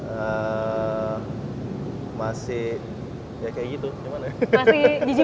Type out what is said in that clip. eee masih ya kayak gitu gimana ya